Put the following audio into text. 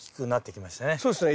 そうですね。